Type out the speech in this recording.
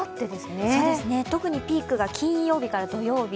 特にピークが金曜日から土曜日。